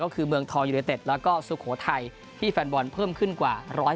ก็คือเมืองทองยูเนเต็ดแล้วก็สุโขทัยที่แฟนบอลเพิ่มขึ้นกว่า๑๐